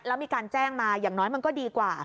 แล้วมีการแจ้งมาอย่างน้อยมันก็ดีกว่า